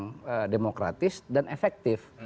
itu menjadi partai yang demokratis dan efektif